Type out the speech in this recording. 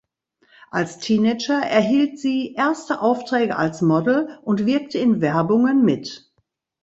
Als Teenager erhielt sie erste Aufträge als Model und wirkte in Werbungen mit.